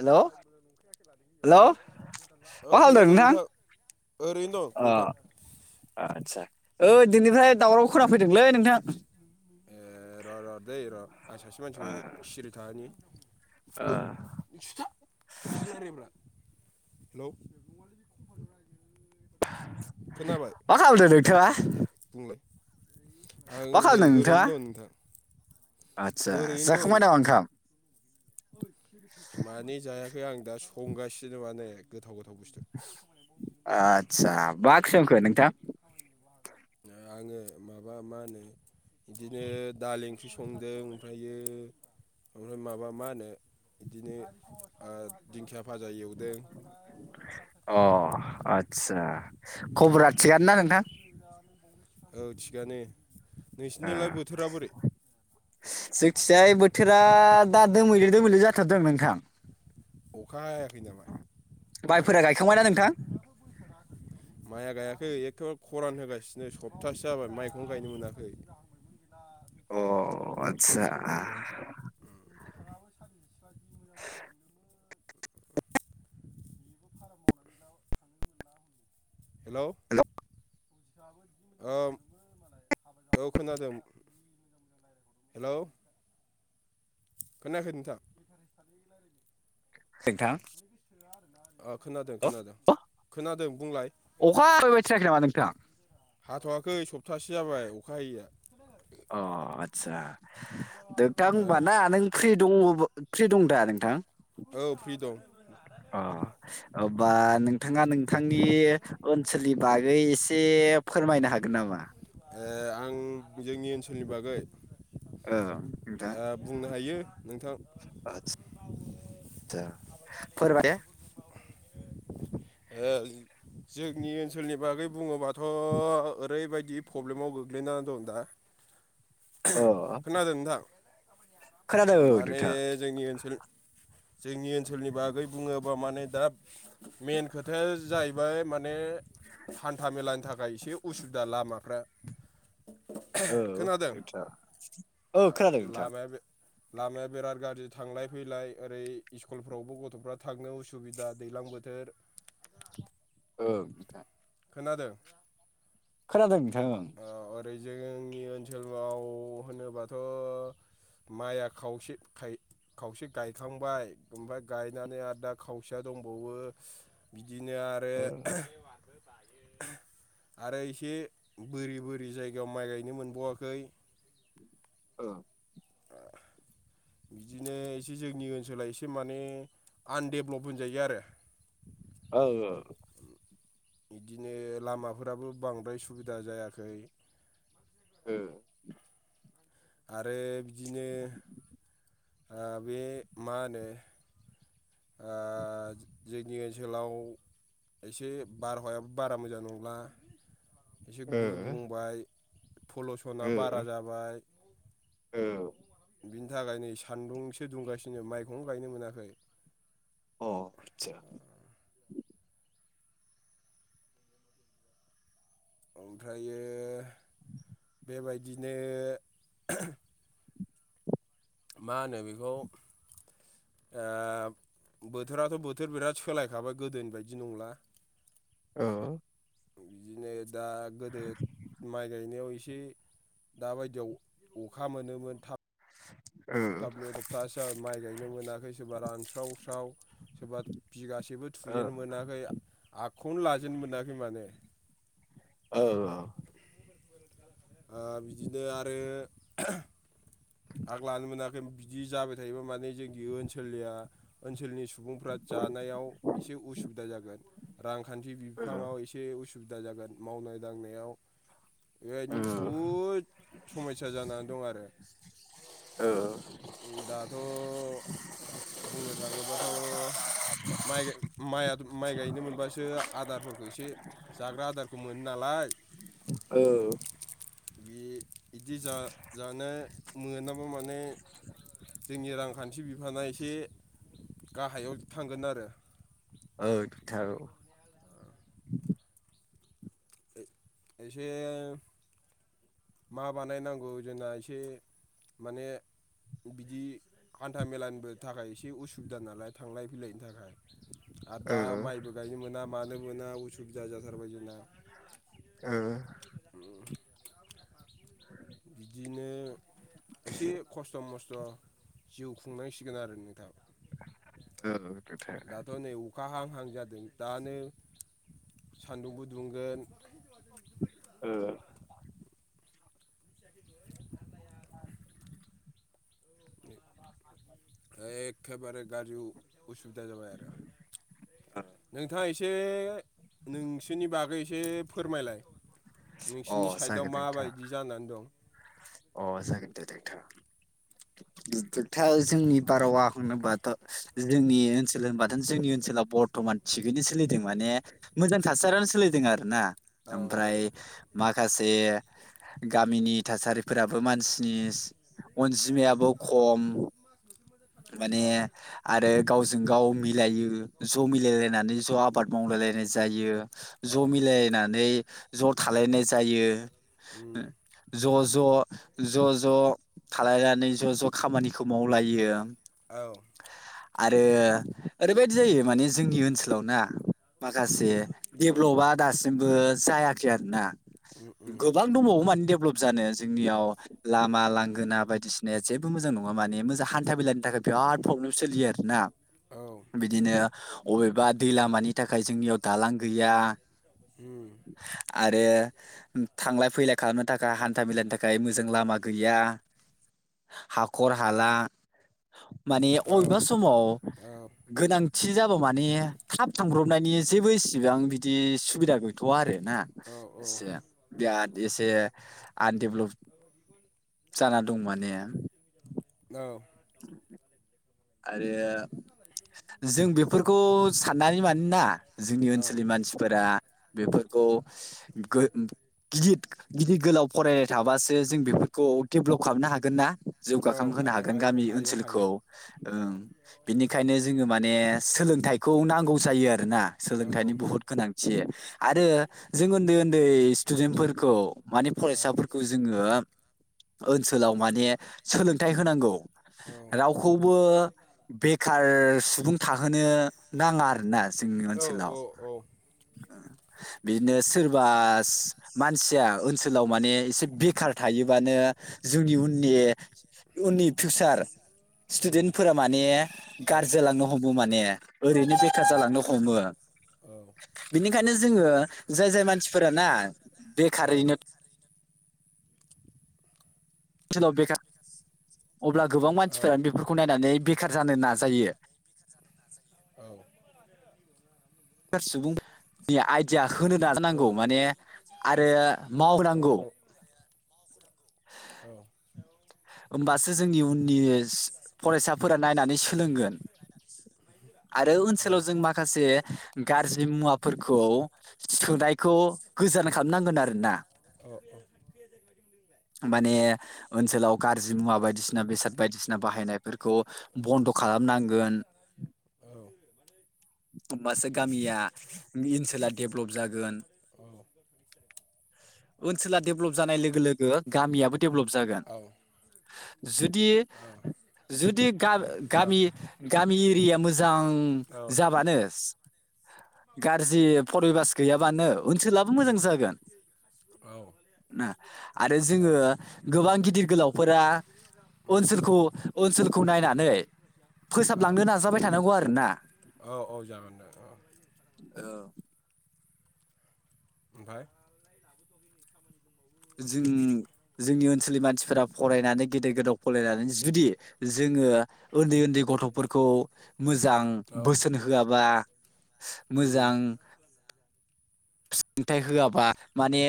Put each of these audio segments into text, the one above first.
Hello hello hello औ मा खालामदों खोनादों नोंथां ओरैनो दं अ नोंथां आदसा ओइ दिनैनिफ्राय दावरावखौ खोनाफैदोंलै नोंथां र' र' दैै र आं सासे मानसिखौ सिरि थाहोनि ओइ सिरिथा मासि रायलाययोब्रा हेल' मा खालामदों नोंथाङा ओ दे बुंलाय आं नै ओरैनो दं नोंथां आतसा ओरैनो दं जाखांबाय नामा ओंखाम माने जायाखै आं दा संगासिनो माने गोथाव गोथाव बुस्थु आतसा मा ओंख्रि संखो नोंथां आङो माबा मा होनो बिदिनो दालि ओंख्रि संदों ओमफ्रायो माबा मा होनो बिदिनो दिंखिया भाजा एवदों अ आतसा खबरा थिगानो ना नोंथां औ थिगानो। आ नोंसिनिजोंलाय बोथोरा बोरै जोंनिथिंजाय बोथोरा दा दोमैलु। दोमैलु जाथारदों नोंथां अखा हायाखै नामा? फोर गायखांबायना नोंथां बिदिनो सप्तासे जाबाय माइखौनो गायनो मोनाखै अ आतसा हेल' हेलौ ओम औ खोनादों हेल' खोनायाखै नोंथां [unintelligible] अ खोनादों खोनादों खोनादों बुंलाय खोनायाखै नामा नोंथाङा हाथ'वाखै सप्तासे जाबाय अखा हायैया अ आदसा दोथां हो होमबाना नों फ्रि दङ फ्रि दं दा नोंथां औ फ्रि दं अ बा नोंथाङा नोंथांनि ओनसोलनि बागै एसे फोरमायनो हागोन नामा ओ आं जोंनि ओनसोलनि बागै औ ओ बुंनो हायो नोंथां आतसा [unintelligible] ओ जोंनि ओनसोलनि बागै बुङोबाथ' ओरैबायदि बि प्रब्लेमाव गोगलैना दं दा अ खोनादों नोंथां खोनादों औ माने नोंथां जोंनि ओनसोल जोंनि ओनसोलनि बागै बुङोबा माने दा मेन खोथाया जाहैबाय माने। हान्था मेलानि थाखाय एसे उसुबिदा लामाफ्रा। औ खोनादों नोंथां औ खोनादों नोंथां लामाया बे। लामाया बिराद गाज्रि थांलाय फैलाय। ओरै स्कुलफ्रावबो गथ'फ्रा थांनो उसुबिदा दैज्लां बोथोर। ओ नोंथां। खोनादों। खोनादों नोंथां ओ जोंनि ओनसोलाव होनोबाथ' माइआ खावसे खाय खावसे गायखांबाय ओमफ्राय गायनानै आरो दा खावसेया दंबावो। बिदिनो आरो [inaudible] आरो इसे। बोरि बोरि जायगायाव माइ गायनो होनबावाखै। ओ बिदिनो एसे जोंनि ओनसोला एसे माने आनडेभ्लाप होनजायो आरो। औ औ। बिदिनो लामाफोराबो बांद्राय सुबिदा जायाखै। ओ आरो बिदिनो ओ बे मा होनो। ओ। जोंनि ओनसोलाव एसे बारहावायाबो बारा मोजां नंला एसे ओ गुबुंबाय पलुसना बारा ओ जाबाय। ओ बिनि थाखाय नै सान्दुंसो दुंगासिनो माइखौनो गायनो मोनाखै। अ आदसा। [inaudible] ओमफ्रायो। बेबायदिनो मा होनो बेखौ? ओ बोथोराथ' बोथोर बिराद सोलायखाबाय गोदोनि बायदि नंला। ओ बिदिनो दा गोदो माइ गायनायाव ए से दाबायदियाव अखा मोनोमोन थाब ओ थाब थाबनो सप्थासे माइ गायनो मोनाखै सोरबा रानस्राव स्राव। सोरबा बिगासेबो ओ थुजेननो मोनाखै आ खौनो लाजेनो मोनाखै माने। औ। ओ बिदिनो आरो। [inaudible] आग लानो मोनाखै बिदि जाबाय थायोबा माने जोंनि ओनसोलनिया ओनसोलनि सुबुंफ्रा जानायाव एसे उसुबिदा जागोन रांखान्थि बिफाङाव एसे उसु बिदा जागोन मावनाय दांनायाव बेबायनो बहुद समयसा जानानै दं आरो। औ। दाथ' बुंनो थाङोबाथ' माइ माइआ माइ गायनो मोनबासो आदारफोरखौ एसे जाग्रा आदारखौ मोनो नाला य ओ बे बिदि जा-जानो मोनाबा माने जोंनि रांखान्थि बिफाना एसे गाहायाव थांगोन आरो। औ नोंथां। [inaudible] एसे मा बानायनांगौ जोंना एसे माने बिदि हान्था मेलानिबो थाखाय एसे उसुबिदा नालाय थांलाय फैलायनि थाखाय। आर दा माइबो गायनो मोना मानो मोना उसुबिदा जाथारबाय जोंना। ओ बिदिनो एसे खस्थ' मस थ' जिउ खुंनांसिगोन आरो नोंथां। औ नोंथां दाथ' नै अखा हां हां जादों दानो सान्दुंबो दुंगोन ओ। एखेबारे गाजु उसुबिदा जाबाय आरो। नोंथाङा ए से नोंसोरनि बागै एसे फोरमायलाय। नोंसिरनि साइडआव जागोन नोंथां माबायदि जानानै दं। अ जागोनदे नोंथा। थोथोथा जोंनि बारावा होनोबाथ' जोंनि ओनसोल होनबाथ' जोंनि ओन सोलाव बर्थ'मान थिगैनो सोलिदों माने मोजां थासारियानो सोलिदों आरो ना। औ दे ओमफ्राय दे दे माखासे गामिनि थासारिफोराबो मानसिनि अनजिमायाबो खम माने औ आरो गाव जों गाव मिलायो ज' मिलायलायनानै ज' आबाद मावलायलायनाय जायो। औ ज' मिलायनानै ज' थालायनाय जायो। उम ज' ज' ज' ज' थालायनानै ज' ज' खामानिखौ मावलायो। औ। आरो ओरैबायदि जायो माने जोंनि ओनसोलाव ना माखासे उम देभ्लपआ दासिमबो जायाखै आरोना उम गोबां दंबावो माने डेभेलप जानो जोंनियाव लामा लांगोना बायदिसिना जेबो मोजां नङा माने मोजां हान्था मेलानि थाखाय बि राद प्रब्लेम सोलियो आरोना। औ बिदिनो अबेबा दै लामानि थाखाय जोंनियाव दालां गैया उम आरो थांलाय फैलाय खालामनो दा हान्था मेलानि थाखाय मोजां लामा गैया। हाखर हाला माने औ अबेबा समाव औ गोनां थि जाबौ माने थाब थांब्रबनायनि जेबो इसेबां बिदि सुबिदा गैथ'वा आरो ना औ एसे बिराद एसे आनडेभेलप जाना दं माने। आरो जों बेफोरखौ साननानै मानोना जोंनि औ ओनसोलनि मानसिफोरा बेफोरखौ ख गो गिदिद गिदिद गोलाव फरायनाय थाबासो जों बे खौ डेभलप खालामनो हागोन ना? जौगाखां होनोनो हायो हागोन हायो गामि हायो ओनसोलखौ। हायो औ ओं बिनिखायनो जोङो माने सोलोंथाइखौ नांगौ जायो आरोना। औ सोलोंथाइनि बहुत गोनांथि आरो जों उन्दै उन्दै स्टुडेन्टफोरखौ माने औ फरायसाफोर खौ जोङो ओनसोलाव माने सोलोंथाइ होनांगौ। औ राव खौबो बेखार सुबुं थाहोनो नाङा आरोना। जोंनि औ औ ओनसोलाव ओ औ बिदिनो सोरबा मानसिया ओनसोलाव माने एसे बेखार थायोबानो जोंनि उनि उननि फिउचार उम स्टुदेन्टफोरा माने औ गारजि लांनो हमो माने औ ओरैनो औ औ बेखार जालांनो हमो। बिनिखा नो जोङो जाय जाय मानसिफोर ना बेखारैनो ओनसोलाव बेखार अब्ला गोबां मानसिफोरानो बेफोरखौ नायनानै बे खार जानो नाजायो। औ। [unintelligible] सुबुं नि आइडिया। होनो नाजानांगौ माने आरो मावनांगौ औ औ होमबासो जोंनि उननि फरायसाफोरा नायनानै सोलोंगोन। आरो ओनसोलाव जों माखासे गाज्रि मुवाफोरखौ सुनायखौ गोजान खालामनांगोन आरोना। औ औ [inaudible] माने ओनसोलाव गाज्रि मुवा बायदिसिना बेसाद बायदिसिना बाहायनायफोरखौ बन्द' खालामनांगोन। औ होमबासो गामिया ओनसोला डेभलप जागोन ओनसोला डेभेलप जानाय लोगो लोगो गामियाबो डेभेलप उम औ जागोन। उम जुदि जुदि गामि गामि एरियाया मोजां जाबानो गाज्रि फरिबास गैयाबानो ओनसोलाबो मोजां जागोन ना आरो जोङो गोबां गिदिर गोलावफोरा ओनसोलखौ ओनसोलखौ नायनानै औ फोसाबलांनो नाजाबाय थानांगौ आरोना। औ औ जागोन दे औ। औ ओमफ्राय जों जोंनि ओनसोलनि मानसिफोरा फरायनानै गेदेर गोदाव फरायनानै जुदि जों ङो उन्दै उन्दै गथ'फोरखौ मोजां औ बोसोन होआबा उम मोजां सोंथायाइ होआबा माने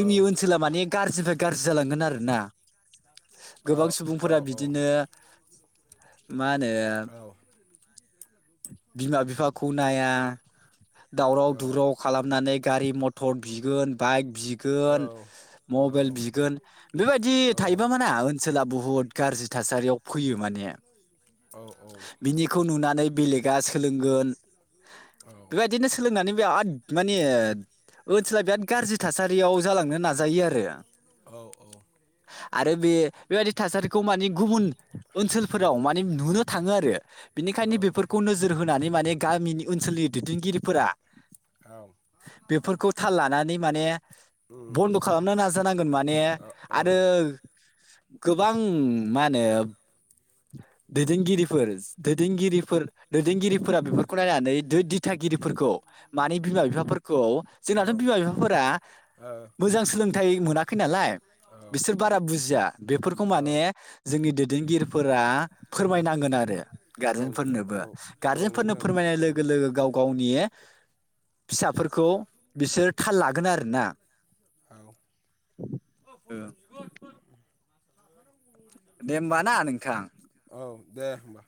औ ओनसोला माने गाज्रि निफ्राय गाज्रि जालांगोन आरोना औ गोबां औ सुबुंफोरा बिदिनो मा होनो औ - बिमा बिफाखौ नाया दावराव-दुराव खालामनानै गारि मथर बिगोन बाइक बि औ गोन, मबाइल उम बिगोन बेबायदि थायोबा मा ओनसोला बुहुत‌ गाज्रि थासारियाव फैयो माने औ औ बिनिखौ नुनानै बेलेगा सोलोंगोन बेबायदिनो सोलोंनानै बिराद माने ओनसोला बिराद गाज्रि थासारियाव जालांनो नाजायो ओ औ आरो। आरो बे बेबायदि थासारिखौ माने गुबुन ओनसोलफोराव माने नुनो थाङो आरो बिनिखायनो बेफोरखौ नोजोर होनानै माने गामिनि ओनसोलनि दैदेन गिरिफोरा बेफोरखौ थाल लानानै माने बन्द' खालामनो नाजानांगोन माने आरो गोबां मा होनो दैदेनगिरिफोर, दैदेनगिरिफोर दैदेनगिरिफोरा बेफोरखौ नायनानै दिथागिरिफोरखौ माने बिमा बिफाफोरखौ। जोंनाथ' बिमा बिफाफोरा मोजां सोलोंथाइ मोना खै नालाय बिसोर बारा बुजिया बेफोरखौ माने जोंनि दैदेनगिरिफोरा ओ उम फोरमायनांगोन आरो औ दे गारजेनफोरनोबो। औ औ गार्जेनफोरनो नोंथां फोरमायनाय उम लोगो लोगो गाव गावनि फिसाफोरखौ बिसोर थाल लागोन आरोना औ ओ [inaudible] दे होमबा ना नोंथां औ दे होमबा